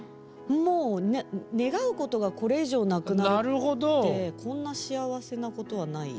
もう願うことがこれ以上なくなるってこんな幸せなことはない。